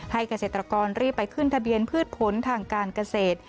เกษตรกรรีบไปขึ้นทะเบียนพืชผลทางการเกษตร